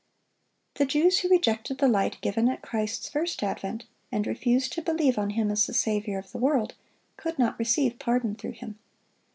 The Jews who rejected the light given at Christ's first advent, and refused to believe on Him as the Saviour of the world, could not receive pardon through Him.